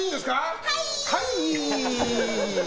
はい！